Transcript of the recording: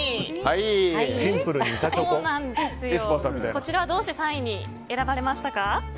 こちらはどうして３位に選ばれましたか？